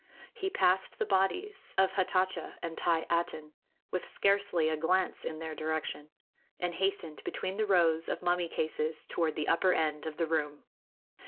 He passed the bodies of Hatatcha and Thi Aten, with scarcely a glance in their direction, and hastened between the rows of mummy cases toward the upper end of the room.